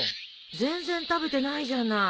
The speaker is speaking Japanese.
全然食べてないじゃない。